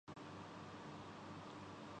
جو کچھ کر رہے ہیں۔